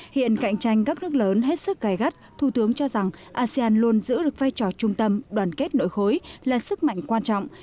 hiện cạnh tranh các nước lớn hết sức gai gắt thủ tướng cho rằng asean luôn giữ được vai trò trung tâm đoàn kết nội khối là sức mạnh quan trọng